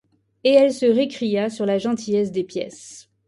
Et elle se récria sur la gentillesse des pièces.